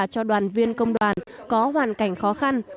cho đoàn viên công đoàn có hoàn cảnh khó khăn